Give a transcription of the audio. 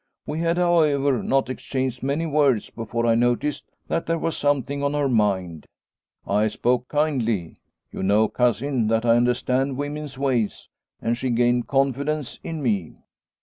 We had, however, not exchanged many words before I noticed that there was something on her mind. I spoke kindly you know, Cousin, that I understand women's ways and she gained confidence in me.